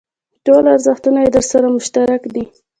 ټول ارزښتونه یې درسره مشترک دي.